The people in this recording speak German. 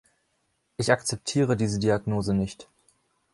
Ich akzeptiere diese Diagnose nicht.